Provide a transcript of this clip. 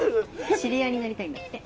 知り合いになりたいんだって。